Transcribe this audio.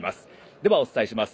では、お伝えします。